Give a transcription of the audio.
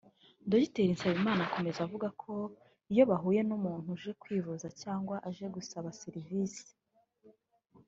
Dr Nsanzimana akomeza avuga ko iyo bahuye n’umuntu uje kwivuza cyangwa aje gusaba serivise